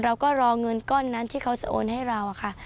เราก็รอเงินก้อนนั้นที่เขาจะโอนให้เราค่ะ